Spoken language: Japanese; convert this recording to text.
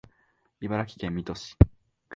茨城県水戸市